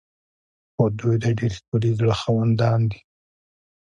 خو دوی د ډیر ښکلي زړه خاوندان دي.